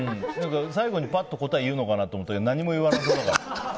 最後にパッと答えを言うのかと思ったけど何も言わなくなるから。